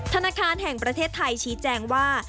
ธนาคารแห่งประเทศไทยชี้แจงว่า